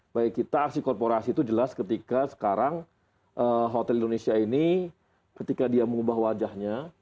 baik kita aksi korporasi itu jelas ketika sekarang hotel indonesia ini ketika dia mengubah wajahnya